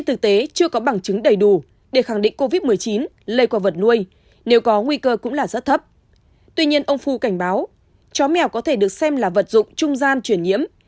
tuy nhiên ông fu cảnh báo chó mèo có thể được xem là vật dụng trung gian chuyển nhiễm